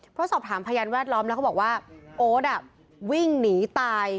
เพราะสอบถามพยานแวดล้อมแล้วเขาบอกว่าโอ๊ตวิ่งหนีตาย